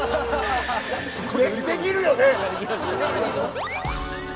できるよね。